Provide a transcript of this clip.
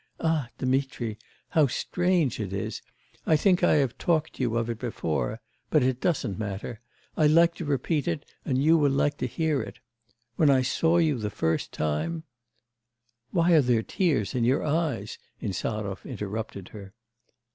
Ah, Dmitri! How strange it is! I think I have talked to you of it before, but it doesn't matter, I like to repeat it, and you will like to hear it. When I saw you the first time ' 'Why are there tears in your eyes?' Insarov interrupted her.